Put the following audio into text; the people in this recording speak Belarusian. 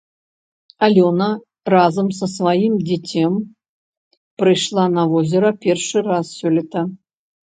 Алёна разам са сваім дзіцем прыйшла на возера першы раз сёлета.